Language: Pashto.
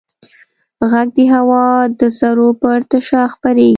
غږ د هوا د ذرّو په ارتعاش خپرېږي.